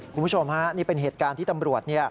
คุณผู้ชมฮะนี่เป็นเหตุการณ์ที่ตำรวจ